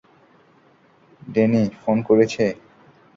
Danny phone করেছে?